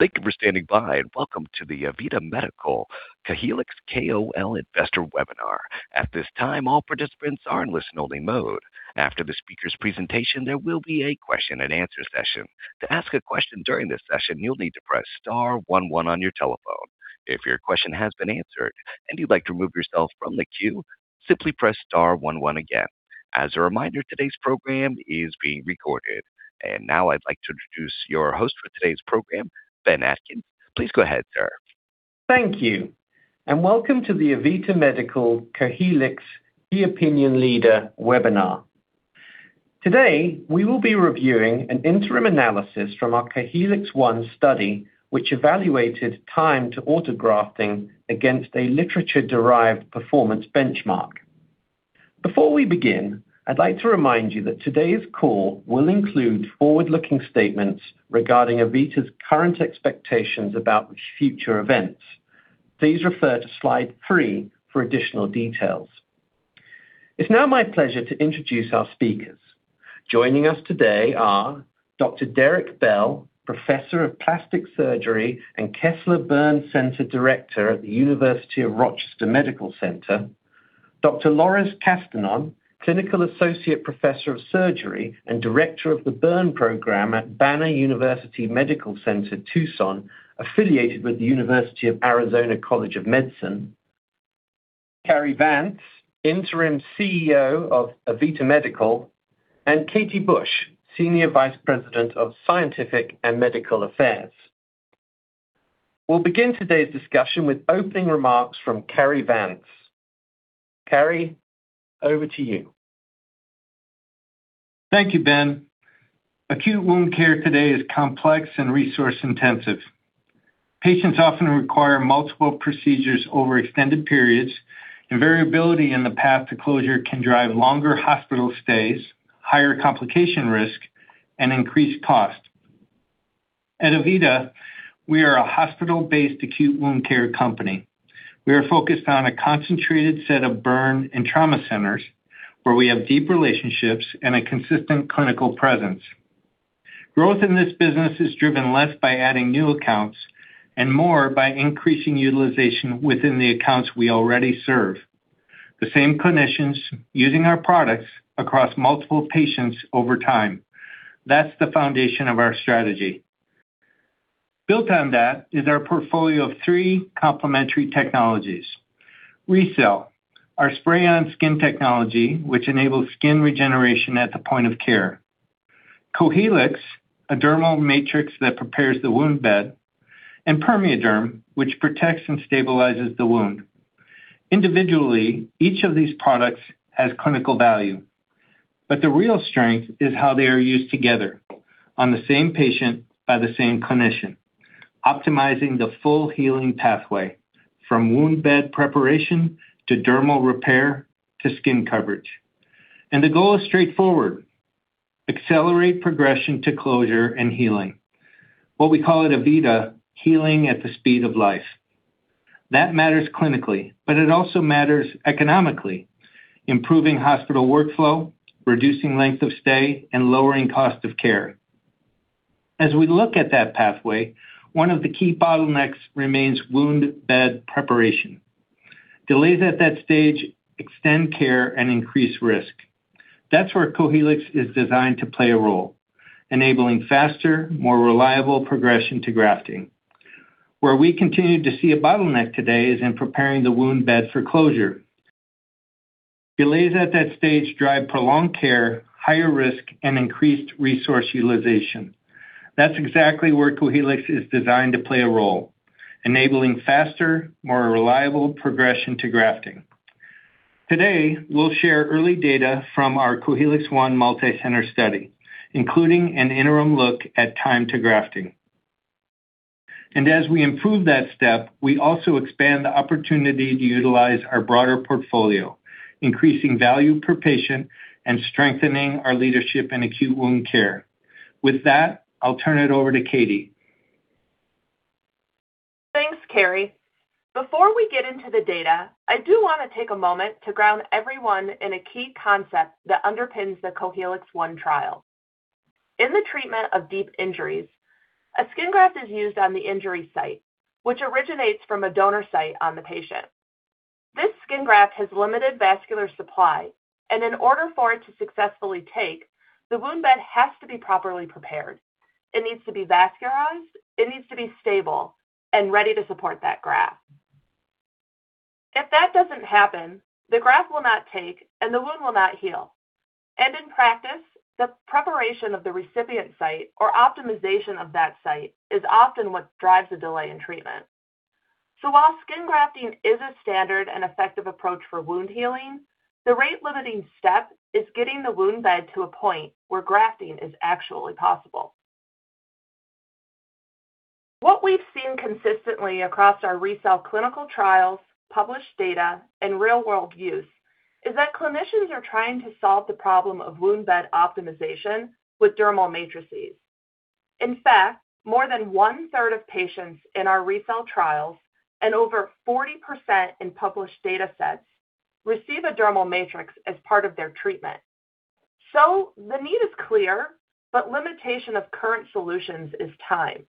Thank you for standing by, and welcome to the AVITA Medical Cohealyx KOL Investor Webinar. At this time, all participants are in listen-only mode. After the speaker's presentation, there will be a question and answer session. To ask a question during this session, you'll need to press star one one on your telephone. If your question has been answered and you'd like to remove yourself from the queue, simply press star one one again. As a reminder, today's program is being recorded. Now I'd like to introduce your host for today's program, Ben Atkins. Please go ahead, sir. Thank you, and welcome to the AVITA Medical Cohealyx Key Opinion Leader Webinar. Today, we will be reviewing an interim analysis from our Cohealyx-I study, which evaluated time to autografting against a literature-derived performance benchmark. Before we begin, I'd like to remind you that today's call will include forward-looking statements regarding AVITA's current expectations about future events. Please refer to slide 3 for additional details. It's now my pleasure to introduce our speakers. Joining us today are Dr. Derek Bell, Professor of Surgery and Burn Director for the Kessler Burn Center at the University of Rochester Medical Center, Dr. Lourdes Castañón, Clinical Associate Professor of Surgery and Director of the Burn Program at Banner – University Medical Center Tucson, affiliated with the University of Arizona College of Medicine, Cary Vance, Interim CEO of AVITA Medical, and Katie Bush, Senior Vice President of Scientific and Medical Affairs. We'll begin today's discussion with opening remarks from Cary Vance. Cary, over to you. Thank you, Ben. Acute wound care today is complex and resource-intensive. Patients often require multiple procedures over extended periods, and variability in the path to closure can drive longer hospital stays, higher complication risk, and increased cost. At AVITA, we are a hospital-based acute wound care company. We are focused on a concentrated set of burn and trauma centers where we have deep relationships and a consistent clinical presence. Growth in this business is driven less by adding new accounts and more by increasing utilization within the accounts we already serve, the same clinicians using our products across multiple patients over time. That's the foundation of our strategy. Built on that is our portfolio of three complementary technologies. RECELL, our spray-on skin technology, which enables skin regeneration at the point of care. Cohealyx, a dermal matrix that prepares the wound bed, and PermeaDerm, which protects and stabilizes the wound. Individually, each of these products has clinical value, but the real strength is how they are used together on the same patient by the same clinician, optimizing the full healing pathway from wound bed preparation to dermal repair to skin coverage. The goal is straightforward, accelerate progression to closure and healing, what we call at AVITA, healing at the speed of life. That matters clinically, but it also matters economically, improving hospital workflow, reducing length of stay, and lowering cost of care. As we look at that pathway, one of the key bottlenecks remains wound bed preparation. Delays at that stage extend care and increase risk. That's where Cohealyx is designed to play a role, enabling faster, more reliable progression to grafting. Where we continue to see a bottleneck today is in preparing the wound bed for closure. Delays at that stage drive prolonged care, higher risk, and increased resource utilization. That's exactly where Cohealyx is designed to play a role, enabling faster, more reliable progression to grafting. Today, we'll share early data from our Cohealyx-I multi-center study, including an interim look at time to grafting. As we improve that step, we also expand the opportunity to utilize our broader portfolio, increasing value per patient, and strengthening our leadership in acute wound care. With that, I'll turn it over to Katie. Thanks, Cary. Before we get into the data, I do want to take a moment to ground everyone in a key concept that underpins the Cohealyx-I trial. In the treatment of deep injuries, a skin graft is used on the injury site, which originates from a donor site on the patient. This skin graft has limited vascular supply, and in order for it to successfully take, the wound bed has to be properly prepared. It needs to be vascularized, it needs to be stable and ready to support that graft. If that doesn't happen, the graft will not take, and the wound will not heal. In practice, the preparation of the recipient site or optimization of that site is often what drives a delay in treatment. While skin grafting is a standard and effective approach for wound healing, the rate-limiting step is getting the wound bed to a point where grafting is actually possible. What we've seen consistently across our ReCell clinical trials, published data, and real-world use is that clinicians are trying to solve the problem of wound bed optimization with dermal matrices. In fact, more than one-third of patients in our ReCell trials and over 40% in published data sets receive a dermal matrix as part of their treatment. The need is clear, but limitation of current solutions is time.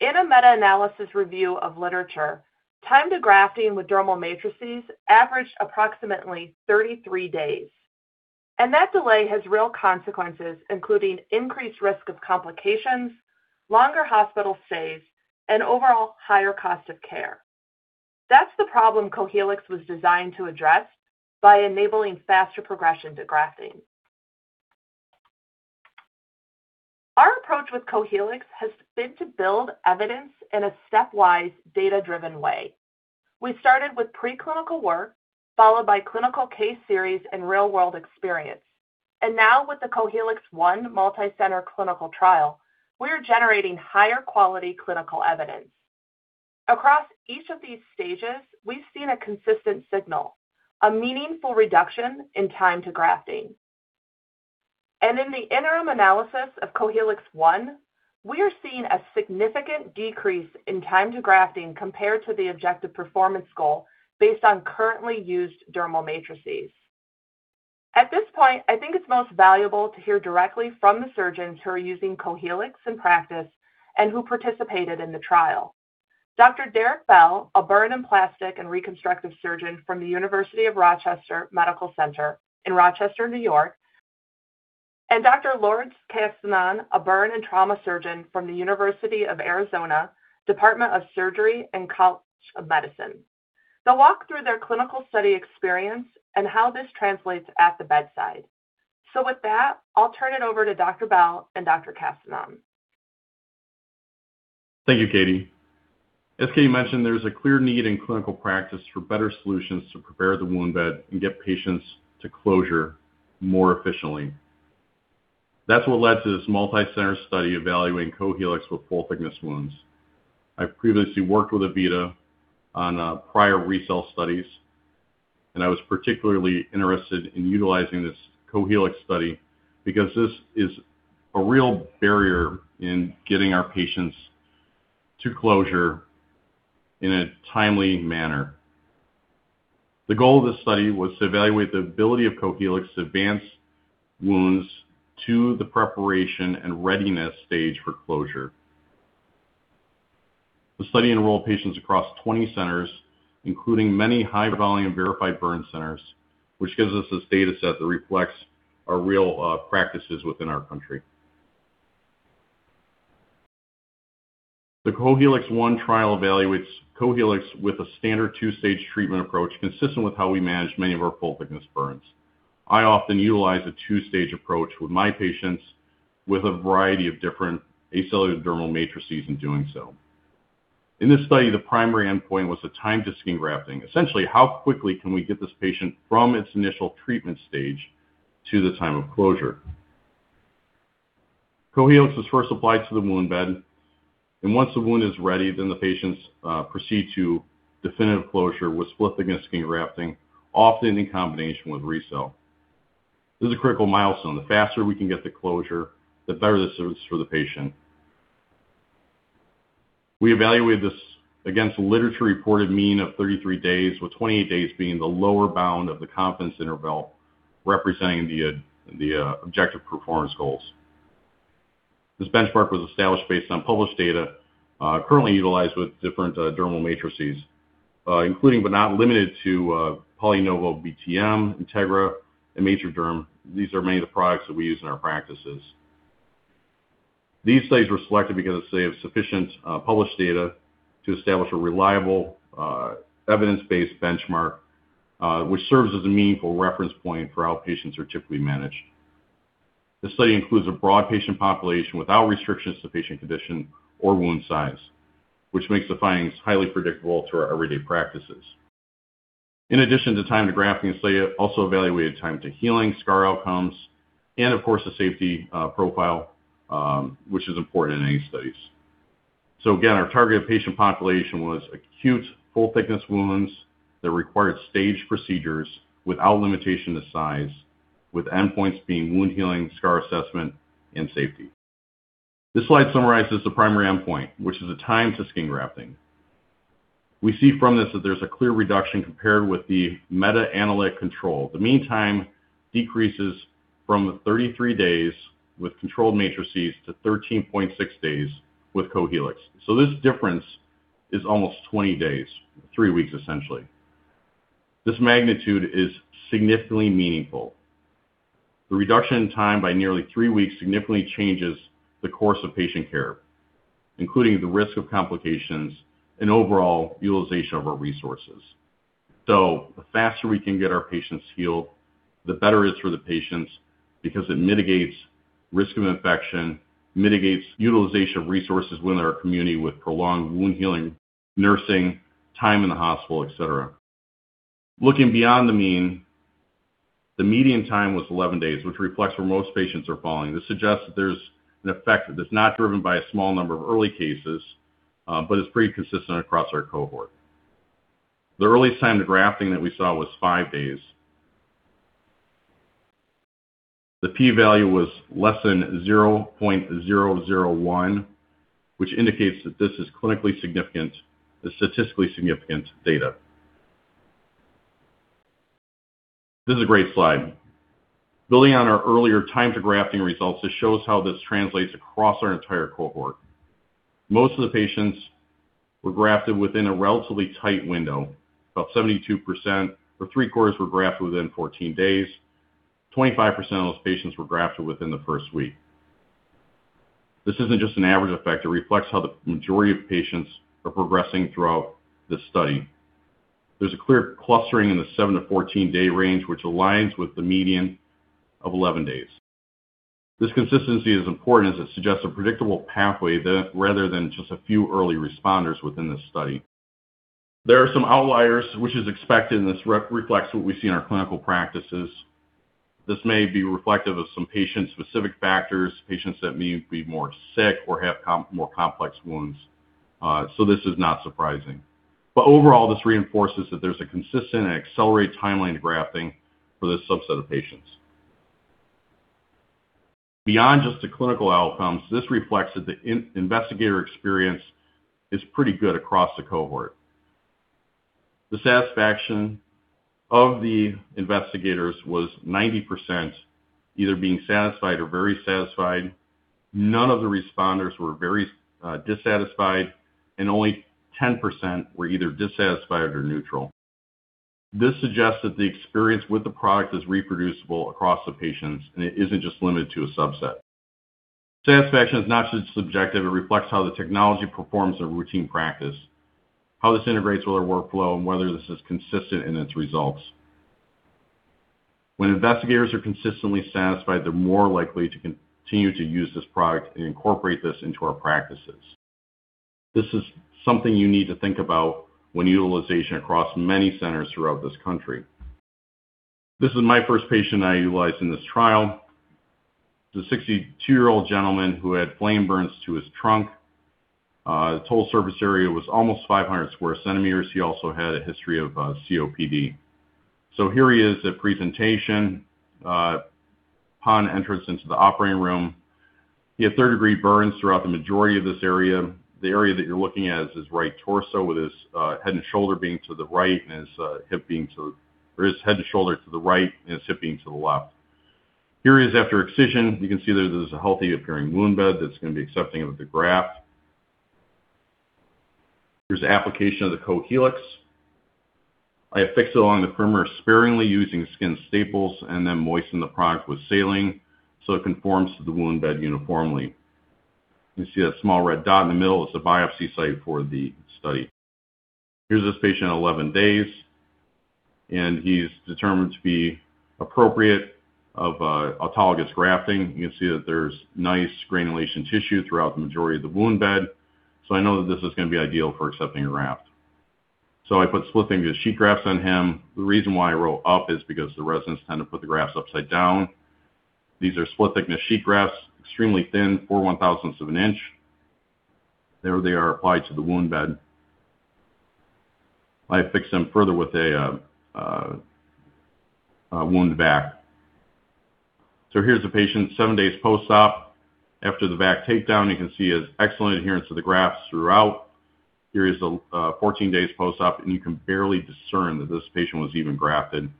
In a meta-analysis review of literature, time to grafting with dermal matrices averaged approximately 33 days. That delay has real consequences, including increased risk of complications, longer hospital stays, and overall higher cost of care. That's the problem Cohealyx was designed to address by enabling faster progression to grafting. Our approach with Cohealyx has been to build evidence in a stepwise, data-driven way. We started with preclinical work, followed by clinical case series and real-world experience. Now with the Cohealyx-I multi-center clinical trial, we're generating higher quality clinical evidence. Across each of these stages, we've seen a consistent signal, a meaningful reduction in time to grafting. In the interim analysis of Cohealyx-I, we are seeing a significant decrease in time to grafting compared to the objective performance goal based on currently used dermal matrices. At this point, I think it's most valuable to hear directly from the surgeons who are using Cohealyx in practice and who participated in the trial. Dr. Derek Bell, a burn, plastic, and reconstructive surgeon from the University of Rochester Medical Center in Rochester, New York, and Dr. Lourdes Castañón, a burn and trauma surgeon from the University of Arizona, Department of Surgery, and College of Medicine. They'll walk through their clinical study experience and how this translates at the bedside. With that, I'll turn it over to Dr. Bell and Dr. Castañón. Thank you, Katie. As Katie mentioned, there's a clear need in clinical practice for better solutions to prepare the wound bed and get patients to closure more efficiently. That's what led to this multi-center study evaluating Cohealyx with full-thickness wounds. I've previously worked with AVITA on prior RECELL studies, and I was particularly interested in utilizing this Cohealyx study because this is a real barrier in getting our patients to closure in a timely manner. The goal of this study was to evaluate the ability of Cohealyx to advance wounds to the preparation and readiness stage for closure. The study enrolled patients across 20 centers, including many high-volume verified burn centers, which gives us this data set that reflects our real practices within our country. The Cohealyx-I trial evaluates Cohealyx with a standard two-stage treatment approach consistent with how we manage many of our full-thickness burns. I often utilize a two-stage approach with my patients with a variety of different acellular dermal matrices in doing so. In this study, the primary endpoint was the time to skin grafting. Essentially, how quickly can we get this patient from its initial treatment stage to the time of closure? Cohealyx was first applied to the wound bed, and once the wound is ready, then the patients proceed to definitive closure with split-thickness skin grafting, often in combination with RECELL. This is a critical milestone. The faster we can get the closure, the better the service for the patient. We evaluated this against the literature-reported mean of 33 days, with 28 days being the lower bound of the confidence interval representing the objective performance goals. This benchmark was established based on published data currently utilized with different dermal matrices, including but not limited to PolyNovo BTM, Integra, and MatriDerm. These are many of the products that we use in our practices. These studies were selected because they have sufficient published data to establish a reliable, evidence-based benchmark, which serves as a meaningful reference point for how patients are typically managed. The study includes a broad patient population without restrictions to patient condition or wound size, which makes the findings highly predictable to our everyday practices. In addition to time to grafting, the study also evaluated time to healing, scar outcomes, and of course, the safety profile, which is important in any studies. Again, our targeted patient population was acute full-thickness wounds that required staged procedures without limitation to size, with endpoints being wound healing, scar assessment, and safety. This slide summarizes the primary endpoint, which is the time to skin grafting. We see from this that there's a clear reduction compared with the meta-analytic control. The mean time decreases from 33 days with control matrices to 13.6 days with Cohealyx. This difference is almost 20 days, three weeks, essentially. This magnitude is significantly meaningful. The reduction in time by nearly three weeks significantly changes the course of patient care, including the risk of complications and overall utilization of our resources. The faster we can get our patients healed, the better it is for the patients because it mitigates risk of infection, mitigates utilization of resources within our community with prolonged wound healing, nursing, time in the hospital, et cetera. Looking beyond the mean, the median time was 11 days, which reflects where most patients are falling. This suggests that there's an effect that's not driven by a small number of early cases, but is pretty consistent across our cohort. The earliest time to grafting that we saw was five days. The P value was less than 0.001, which indicates that this is clinically and statistically significant data. This is a great slide. Building on our earlier time to grafting results, it shows how this translates across our entire cohort. Most of the patients were grafted within a relatively tight window. About 72%, or three-quarters, were grafted within 14 days, 25% of those patients were grafted within the first week. This isn't just an average effect. It reflects how the majority of patients are progressing throughout the study. There's a clear clustering in the 7-14-day range, which aligns with the median of 11 days. This consistency is important as it suggests a predictable pathway rather than just a few early responders within the study. There are some outliers, which is expected, and this reflects what we see in our clinical practices. This may be reflective of some patient-specific factors, patients that may be more sick or have more complex wounds. This is not surprising. Overall, this reinforces that there's a consistent and accelerated timeline to grafting for this subset of patients. Beyond just the clinical outcomes, this reflects that the investigator experience is pretty good across the cohort. The satisfaction of the investigators was 90% either being satisfied or very satisfied. None of the responders were very dissatisfied, and only 10% were either dissatisfied or neutral. This suggests that the experience with the product is reproducible across the patients, and it isn't just limited to a subset. Satisfaction is not just subjective. It reflects how the technology performs in routine practice, how this integrates with our workflow, and whether this is consistent in its results. When investigators are consistently satisfied, they're more likely to continue to use this product and incorporate this into our practices. This is something you need to think about when utilization across many centers throughout this country. This is my first patient I utilized in this trial. It's a 62-year-old gentleman who had flame burns to his trunk. Total surface area was almost 500 sq cm. He also had a history of COPD. Here he is at presentation. Upon entrance into the operating room, he had third-degree burns throughout the majority of this area. The area that you're looking at is his right torso, with his head and shoulder to the right, and his hip to the left. Here he is after excision. You can see that there's a healthy appearing wound bed that's going to be accepting of the graft. Here's the application of the Cohealyx. I affix it along the perimeter sparingly using skin staples and then moisten the product with saline so it conforms to the wound bed uniformly. You see that small red dot in the middle? It's a biopsy site for the study. Here's this patient at 11 days, and he's determined to be appropriate for autologous grafting. You can see that there's nice granulation tissue throughout the majority of the wound bed. I know that this is going to be ideal for accepting a graft. I put split-thickness sheet grafts on him. The reason why I roll up is because the residents tend to put the grafts upside down. These are split-thickness sheet grafts, extremely thin, 0.004 of an inch. There they are applied to the wound bed. I affix them further with a wound vac. Here's the patient 7 days post-op. After the vac takedown, you can see his excellent adherence to the grafts throughout. Here he is at 14 days post-op, and you can barely discern that this patient was even grafted.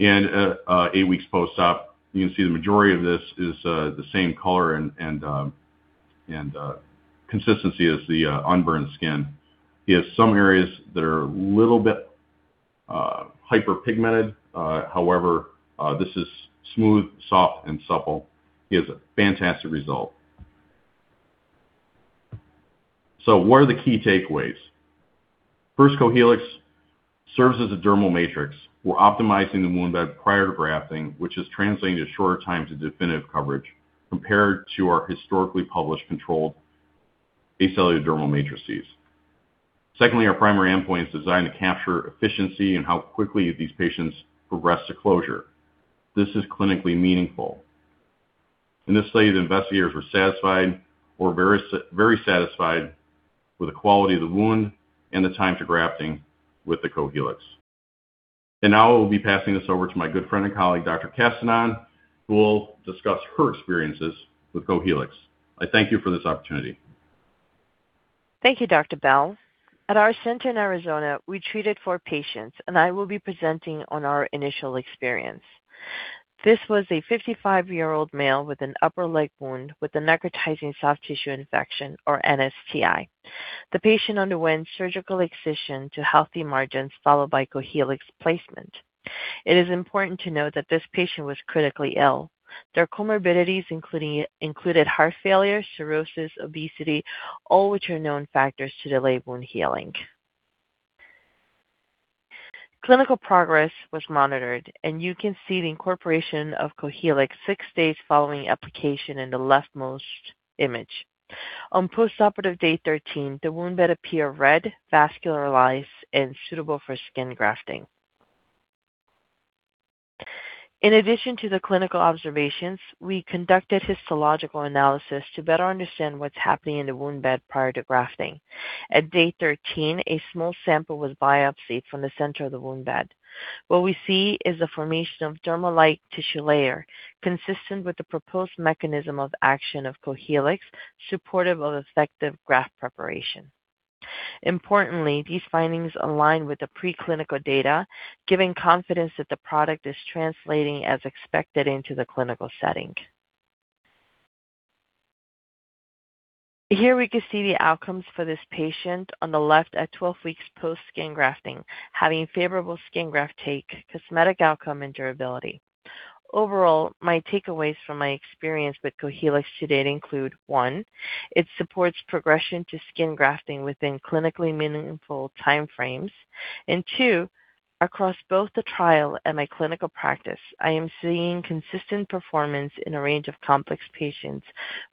At 8 weeks post-op, you can see the majority of this is the same color and consistency as the unburned skin. He has some areas that are a little bit hyperpigmented. However, this is smooth, soft, and supple. He has a fantastic result. What are the key takeaways? First, Cohealyx serves as a dermal matrix. We're optimizing the wound bed prior to grafting, which is translating to shorter times to definitive coverage compared to our historically published controlled acellular dermal matrices. Secondly, our primary endpoint is designed to capture efficiency and how quickly these patients progress to closure. This is clinically meaningful. In this study, the investigators were satisfied or very satisfied with the quality of the wound and the time to grafting with the Cohealyx. Now I will be passing this over to my good friend and colleague, Dr. Castañón, who will discuss her experiences with Cohealyx. I thank you for this opportunity. Thank you, Dr. Bell. At our center in Arizona, we treated four patients, and I will be presenting on our initial experience. This was a 55-year-old male with an upper leg wound with a necrotizing soft tissue infection, or NSTI. The patient underwent surgical excision to healthy margins, followed by Cohealyx placement. It is important to note that this patient was critically ill. Their comorbidities included heart failure, cirrhosis, obesity, all which are known factors to delayed wound healing. Clinical progress was monitored, and you can see the incorporation of Cohealyx six days following application in the leftmost image. On postoperative day 13, the wound bed appeared red, vascularized, and suitable for skin grafting. In addition to the clinical observations, we conducted histological analysis to better understand what's happening in the wound bed prior to grafting. At day 13, a small sample was biopsied from the center of the wound bed. What we see is the formation of dermal-like tissue layer consistent with the proposed mechanism of action of Cohealyx, supportive of effective graft preparation. Importantly, these findings align with the preclinical data, giving confidence that the product is translating as expected into the clinical setting. Here we can see the outcomes for this patient on the left at 12 weeks post-skin grafting, having favorable skin graft take, cosmetic outcome, and durability. Overall, my takeaways from my experience with Cohealyx to date include one, it supports progression to skin grafting within clinically meaningful time frames. Two, across both the trial and my clinical practice, I am seeing consistent performance in a range of complex patients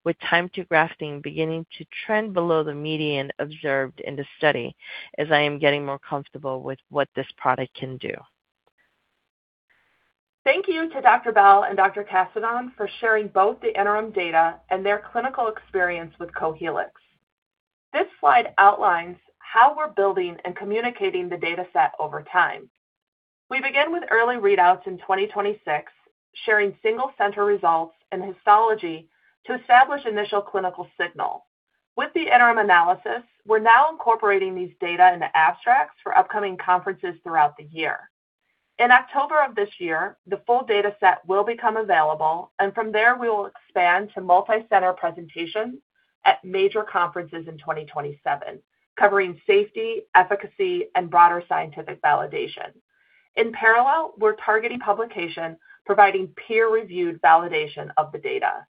with time to grafting beginning to trend below the median observed in the study, as I am getting more comfortable with what this product can do. Thank you to Dr. Bell and Dr. Castañón for sharing both the interim data and their clinical experience with Cohealyx. This slide outlines how we're building and communicating the data set over time. We begin with early readouts in 2026, sharing single center results and histology to establish initial clinical signal. With the interim analysis, we're now incorporating these data into abstracts for upcoming conferences throughout the year. In October of this year, the full data set will become available, and from there we will expand to multi-center presentations at major conferences in 2027, covering safety, efficacy, and broader scientific validation. In parallel, we're targeting publication, providing peer-reviewed validation of the data.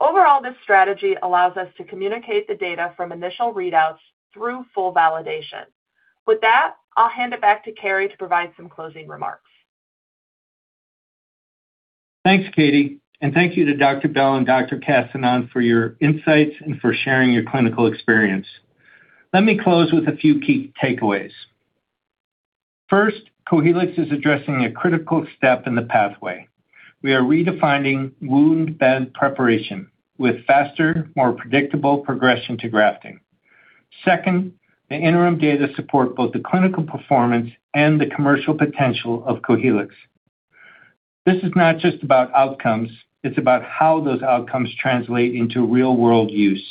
Overall, this strategy allows us to communicate the data from initial readouts through full validation. With that, I'll hand it back to Cary to provide some closing remarks. Thanks, Katie, and thank you to Dr. Bell and Dr. Castañón for your insights and for sharing your clinical experience. Let me close with a few key takeaways. First, Cohealyx is addressing a critical step in the pathway. We are redefining wound bed preparation with faster, more predictable progression to grafting. Second, the interim data support both the clinical performance and the commercial potential of Cohealyx. This is not just about outcomes, it's about how those outcomes translate into real-world use.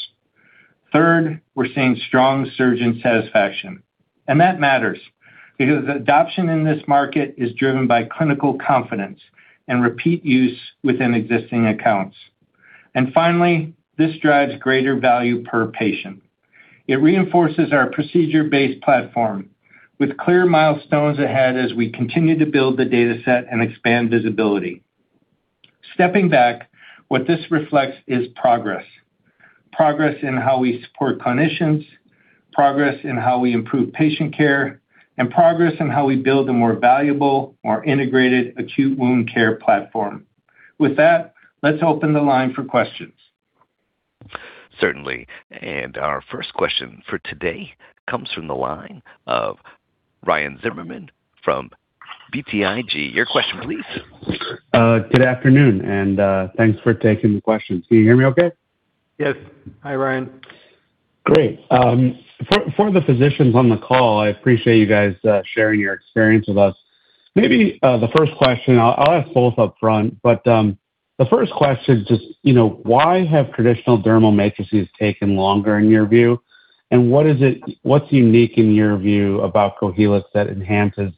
Third, we're seeing strong surgeon satisfaction, and that matters because adoption in this market is driven by clinical confidence and repeat use within existing accounts. Finally, this drives greater value per patient. It reinforces our procedure-based platform with clear milestones ahead as we continue to build the data set and expand visibility. Stepping back, what this reflects is progress. Progress in how we support clinicians, progress in how we improve patient care, and progress in how we build a more valuable, more integrated acute wound care platform. With that, let's open the line for questions. Certainly. Our first question for today comes from the line of Ryan Zimmerman from BTIG. Your question please. Good afternoon, and thanks for taking the questions. Can you hear me okay? Yes. Hi, Ryan. Great. For the physicians on the call, I appreciate you guys sharing your experience with us. Maybe the first question, I'll ask both upfront, but the first question, just why have traditional dermal matrices taken longer in your view, and what's unique in your view about Cohealyx that enhances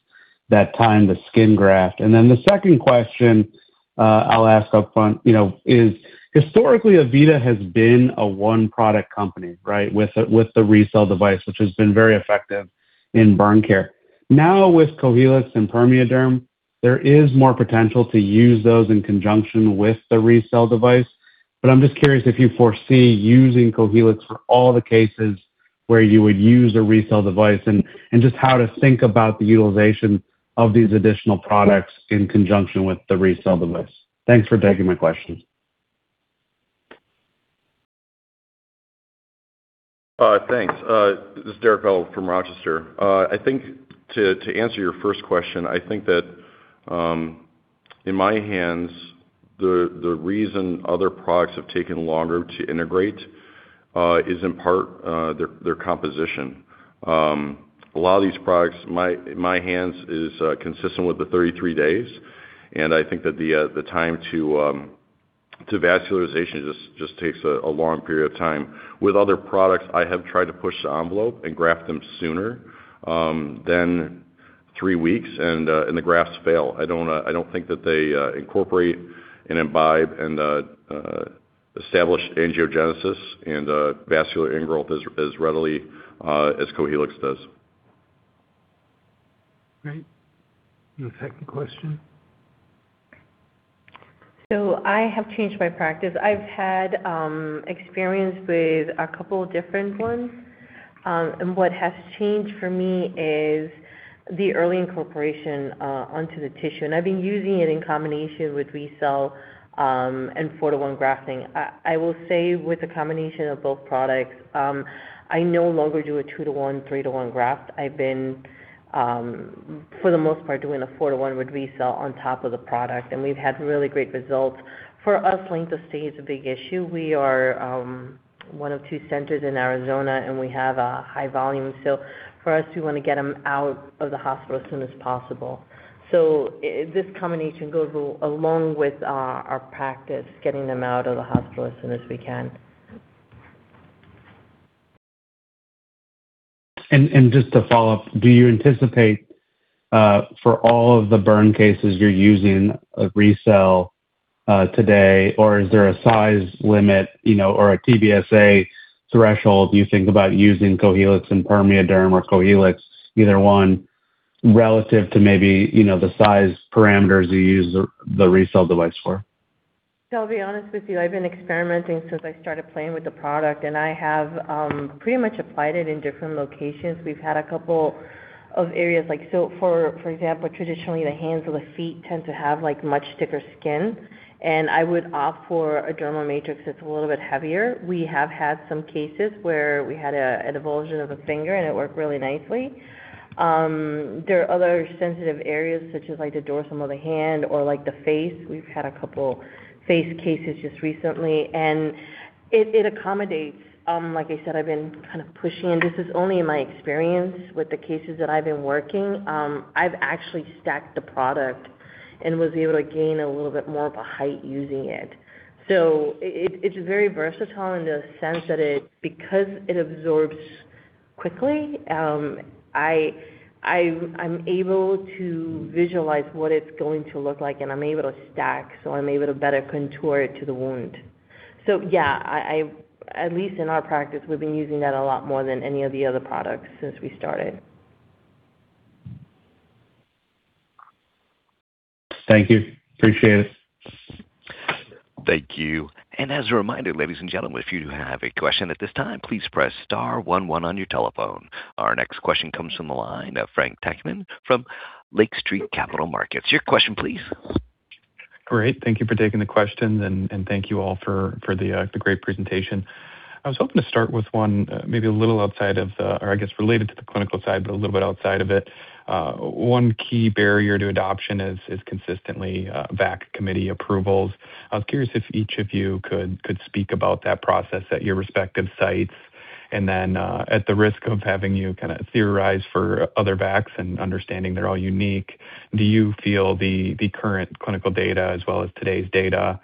that time to skin graft? The second question I'll ask upfront is, historically, AVITA has been a one-product company, right, with the RECELL device, which has been very effective in burn care. Now with Cohealyx and PermeaDerm, there is more potential to use those in conjunction with the RECELL device. But I'm just curious if you foresee using Cohealyx for all the cases where you would use a RECELL device, and just how to think about the utilization of these additional products in conjunction with the RECELL device. Thanks for taking my questions. Thanks. This is Derek Bell from Rochester. To answer your first question, I think that in my hands the reason other products have taken longer to integrate is in part their composition. A lot of these products is consistent with the 33 days, and I think that the time to vascularization just takes a long period of time. With other products, I have tried to push the envelope and graft them sooner than three weeks, and the grafts fail. I don't think that they incorporate and imbibe and establish angiogenesis and vascular ingrowth as readily as Cohealyx does. Great. The second question. I have changed my practice. I've had experience with a couple different ones. What has changed for me is the early incorporation onto the tissue. I've been using it in combination with RECELL, and four-to-one grafting. I will say with the combination of both products, I no longer do a two-to-one, three-to-one graft. I've been, for the most part, doing a four-to-one with RECELL on top of the product, and we've had really great results. For us, length of stay is a big issue. We are one of two centers in Arizona, and we have a high volume. For us, we want to get them out of the hospital as soon as possible. This combination goes along with our practice, getting them out of the hospital as soon as we can. Just to follow up, do you anticipate for all of the burn cases you're using a RECELL today or is there a size limit or a TBSA threshold you think about using Cohealyx and PermeaDerm or Cohealyx, either one, relative to maybe the size parameters you use the RECELL device for? I'll be honest with you, I've been experimenting since I started playing with the product, and I have pretty much applied it in different locations. We've had a couple of areas, for example, traditionally, the hands or the feet tend to have much thicker skin, and I would opt for a dermal matrix that's a little bit heavier. We have had some cases where we had an avulsion of a finger, and it worked really nicely. There are other sensitive areas such as the dorsum of the hand or the face. We've had a couple face cases just recently, and it accommodates. Like I said, I've been kind of pushing, and this is only my experience with the cases that I've been working. I've actually stacked the product and was able to gain a little bit more of a height using it. It's very versatile in the sense that it, because it absorbs quickly, I'm able to visualize what it's going to look like and I'm able to stack, so I'm able to better contour it to the wound. Yeah, at least in our practice, we've been using that a lot more than any of the other products since we started. Thank you. Appreciate it. Thank you. As a reminder, ladies and gentlemen, if you have a question at this time, please press star one one on your telephone. Our next question comes from the line of Frank Takkinen from Lake Street Capital Markets. Your question, please. Great. Thank you for taking the questions, and thank you all for the great presentation. I was hoping to start with one maybe a little outside of it or I guess related to the clinical side, but a little bit outside of it. One key barrier to adoption is consistently VAC committee approvals. I was curious if each of you could speak about that process at your respective sites. At the risk of having you kind of theorize for other VACs and understanding they're all unique, do you feel the current clinical data as well as today's data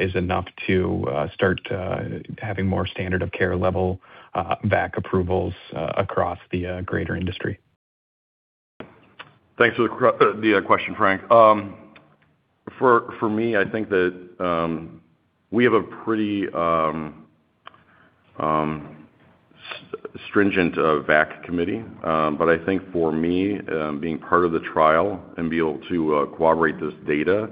is enough to start having more standard of care level VAC approvals across the greater industry? Thanks for the question, Frank. For me, I think that we have a pretty stringent VAC committee. I think for me, being part of the trial and be able to corroborate this data,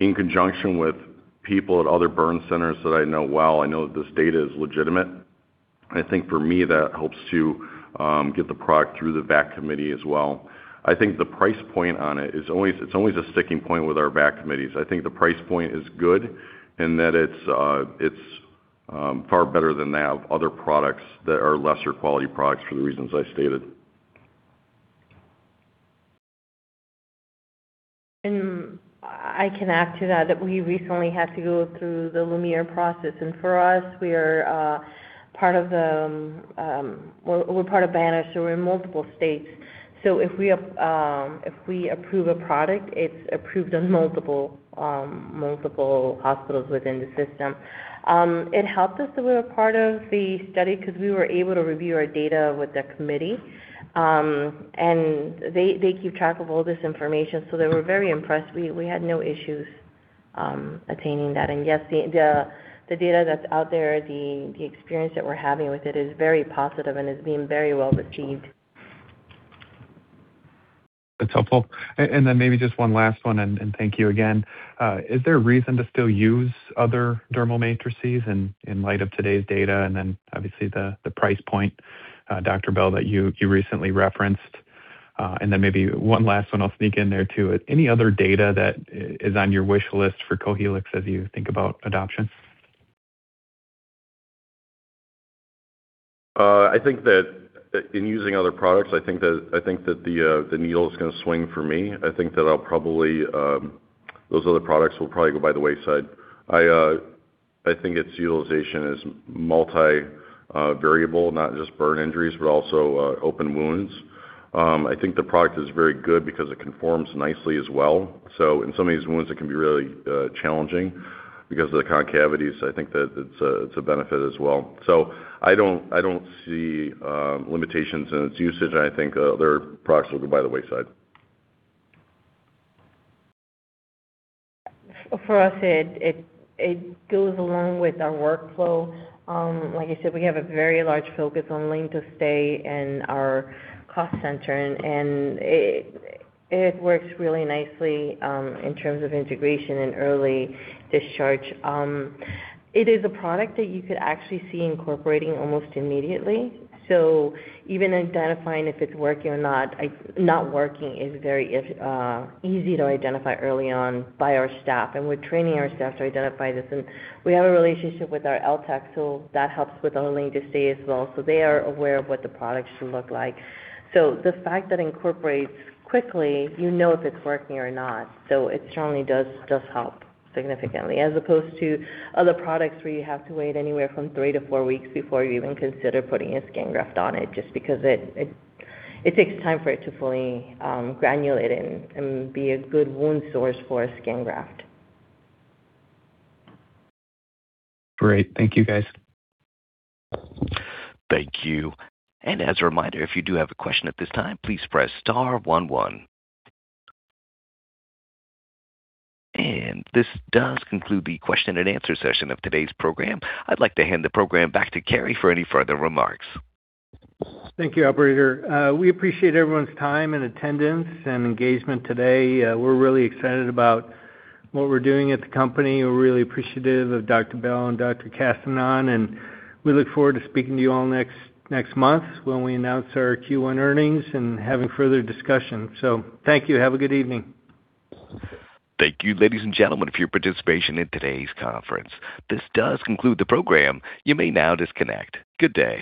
in conjunction with people at other burn centers that I know well, I know that this data is legitimate. I think for me, that helps to get the product through the VAC committee as well. I think the price point on it is always a sticking point with our VAC committees. I think the price point is good and that it's far better than that of other products that are lesser quality products for the reasons I stated. I can add to that we recently had to go through the Lumere process, and for us, we're part of Banner, so we're in multiple states. If we approve a product, it's approved on multiple hospitals within the system. It helped us that we were part of the study because we were able to review our data with the committee. They keep track of all this information, so they were very impressed. We had no issues attaining that. Yes, the data that's out there, the experience that we're having with it is very positive and is being very well received. That's helpful. Then maybe just one last one, and thank you again. Is there a reason to still use other dermal matrices in light of today's data, and then obviously the price point, Dr. Bell, that you recently referenced? Then maybe one last one I'll sneak in there, too. Any other data that is on your wish list for Cohealyx as you think about adoption? I think that in using other products, I think that the needle is going to swing for me. I think that those other products will probably go by the wayside. I think the product is very good because it conforms nicely as well. In some of these wounds it can be really challenging because of the concavities. I think that it's a benefit as well. I don't see limitations in its usage, and I think other products will go by the wayside. For us, it goes along with our workflow. Like I said, we have a very large focus on length of stay in our cost center, and it works really nicely in terms of integration and early discharge. It is a product that you could actually see incorporating almost immediately. Even identifying if it's working or not working is very easy to identify early on by our staff. We're training our staff to identify this. We have a relationship with our LTAC, so that helps with our length of stay as well. They are aware of what the product should look like. The fact that it incorporates quickly, you know if it's working or not. It certainly does help significantly, as opposed to other products where you have to wait anywhere from 3-4 weeks before you even consider putting a skin graft on it, just because it takes time for it to fully granulate and be a good wound source for a skin graft. Great. Thank you, guys. Thank you. As a reminder, if you do have a question at this time, please press star one one. This does conclude the question and answer session of today's program. I'd like to hand the program back to Cary for any further remarks. Thank you, operator. We appreciate everyone's time and attendance and engagement today. We're really excited about what we're doing at the company. We're really appreciative of Dr. Bell and Dr. Castañón, and we look forward to speaking to you all next month when we announce our Q1 earnings and having further discussion. Thank you. Have a good evening. Thank you, ladies and gentlemen, for your participation in today's conference. This does conclude the program. You may now disconnect. Good day.